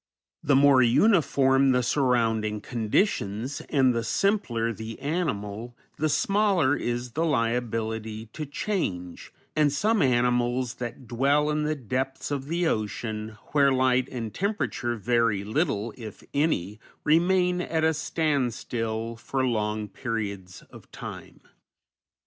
The more uniform the surrounding conditions, and the simpler the animal, the smaller is the liability to change, and some animals that dwell in the depths of the ocean, where light and temperature vary little, if any, remain at a standstill for long periods of time.